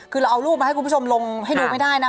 คือเราเอารูปมาให้คุณผู้ชมลงให้ดูไม่ได้นะ